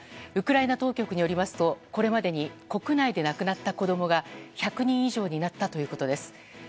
ウクライナ当局によりますとこれまでに国内で亡くなった子供が１００人以上になったということです。